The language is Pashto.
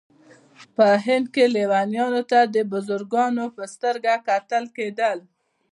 په هند کې لیونیانو ته د بزرګانو په سترګه کتل کېدل.